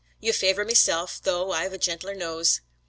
You favour meself, though I've a genteeler nose."